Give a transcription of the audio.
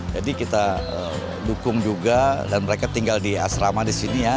jadi kita dukung juga dan mereka tinggal di asrama di sini ya